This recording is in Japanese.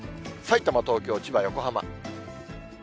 さいたま、東京、千葉、横浜。